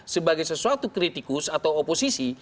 sebagai sesuatu kritikus atau oposisi